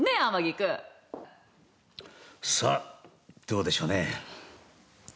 どうでしょうね。